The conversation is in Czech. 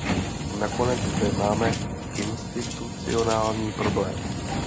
Nakonec zde máme institucionální problém.